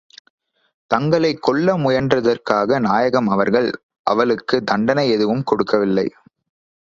தங்களைக் கொல்ல முயன்றதற்காக நாயகம் அவர்கள், அவளுக்குத் தண்டனை எதுவும் கொடுக்கவில்லை.